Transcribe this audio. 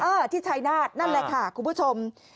ที่ชายนาฏนั่นแหละค่ะคุณผู้ชม